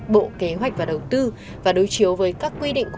bộ kế hoạch và đầu tư và đối chiếu với các quy định